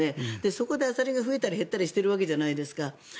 そこでアサリが増えたり減ったりしているわけじゃないですか。